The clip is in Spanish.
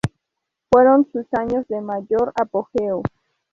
Fueron sus años de mayor apogeo.